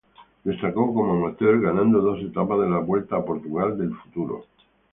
Destacó como amateur ganando dos etapas de la Vuelta a Portugal del Futuro.